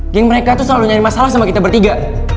king mereka tuh selalu nyari masalah sama kita bertiga